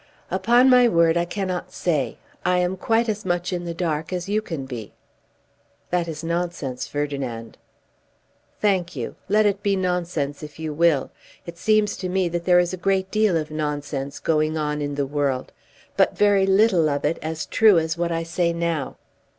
"Upon my word I cannot say. I am quite as much in the dark as you can be." "That is nonsense, Ferdinand." "Thank you! Let it be nonsense if you will. It seems to me that there is a great deal of nonsense going on in the world; but very little of it as true as what I say now."